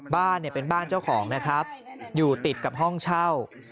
บ้านเนี่ยเป็นบ้านเจ้าของนะครับอยู่ติดกับห้องเช่า